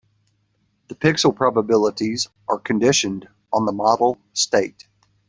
The pixel probabilities are conditioned on the model state.